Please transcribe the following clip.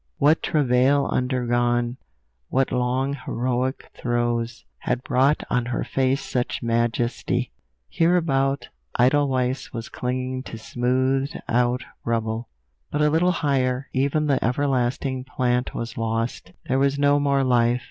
What travail undergone, what long heroic throes, had brought on her face such majesty! Hereabout edelweiss was clinging to smoothed out rubble; but a little higher, even the everlasting plant was lost, there was no more life.